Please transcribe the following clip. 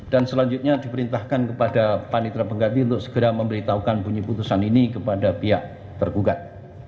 dan selanjutnya diperintahkan kepada panitra pengganti untuk segera memberitahukan bunyi putusan ini kepada pihak tergugat